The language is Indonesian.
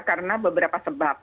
karena beberapa sebab